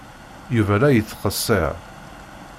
Yuba la yettqeṣṣir.